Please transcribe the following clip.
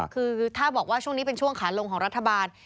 คือถ้าบอกว่าช่วงนี้เป็นช่วงขาลงของรัฐบาล